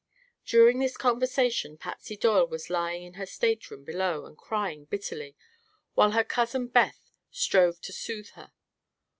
During this conversation Patsy Doyle was lying in her stateroom below and crying bitterly, while her cousin Beth strove to soothe her.